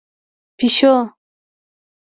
🐈 پېشو